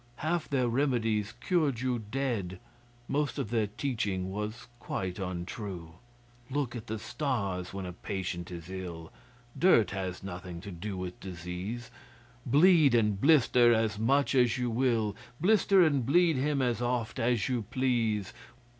Half their remedies cured you dead Most of their teaching was quite untrue 'Look at the stars when a patient is ill, (Dirt has nothing to do with disease,) Bleed and blister as much as you will, Blister and bleed him as oft as you please.